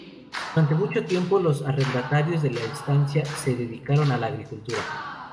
Durante mucho tiempo los arrendatarios de la estancia se dedicaron a la agricultura.